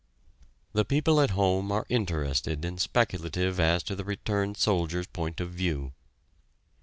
The people at home are interested and speculative as to the returned soldiers' point of view.